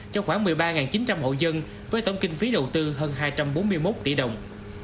cho khoảng một mươi ba chín trăm linh hộ dân với tổng kinh phí đầu tư hơn hai trăm bốn mươi một tỷ đồng